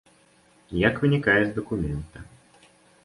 Як вынікае з дакумента.